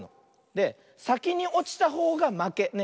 でさきにおちたほうがまけね。